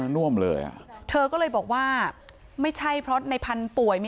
น่อมเลยเธอก็เลยบอกว่าไม่ใช่เพราะในพรรณป่วย